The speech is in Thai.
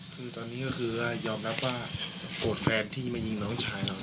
คือตอนนี้ก็คือว่ายอมรับว่าโกรธแฟนที่มายิงน้องชายเรา